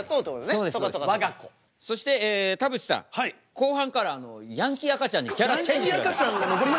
後半からヤンキー赤ちゃんにキャラチェンジしてください。